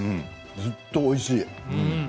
ずっとおいしい。